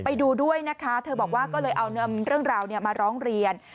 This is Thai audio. ไปดูด้วยนะคะเธอบอกว่าก็เลยเอานำเรื่องราวมาร้องเรียน